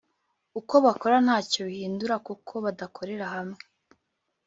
uko bakora ntacyo bihindura kuko badakorera hamwe